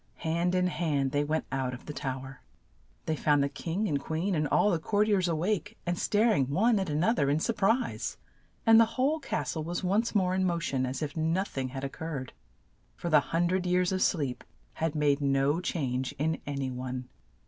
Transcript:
Hand in hand they went out of the tow er. They found the king and queen and all the court iers a wake, and star ing one at an oth er in sur prise, and the whole cas tle was once more in mo tion as if noth ing had oc curred, for the hun dred years of sleep had made no change in an y one.